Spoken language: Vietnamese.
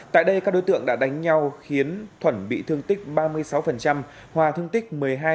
tại đây các đối tượng đã đánh nhau khiến thuận bị thương tích ba mươi sáu hòa thương tích một mươi hai